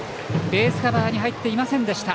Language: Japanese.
ベースカバーに入っていませんでした。